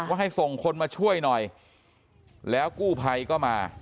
ให้ส่งคนมาช่วยหน่อยแล้วกู้ภัยก็มา